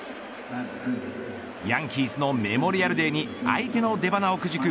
ヤンキースのメモリアルデーに相手の出ばなをくじく